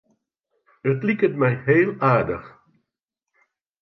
It liket my heel aardich.